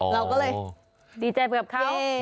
เราก็เลยดีใจไปกับเขา